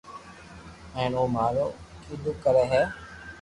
ھين او مارو ڪيدو ڪري ھي